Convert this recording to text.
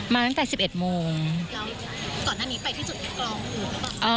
บังเขตค่ะ